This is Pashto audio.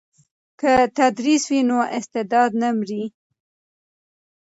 که تدریس وي نو استعداد نه مري.